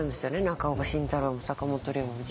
中岡慎太郎も坂本龍馬も。